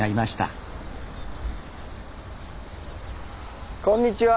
ああこんにちは。